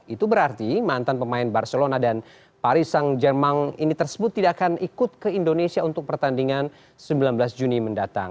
itu berarti mantan pemain barcelona dan parisang jerman ini tersebut tidak akan ikut ke indonesia untuk pertandingan sembilan belas juni mendatang